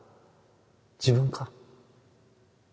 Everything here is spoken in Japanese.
自分か？